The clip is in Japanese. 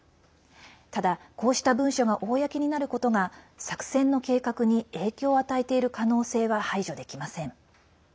ただ、こうした文書が公になることが作戦の計画に影響を与えている可能性は排除できません。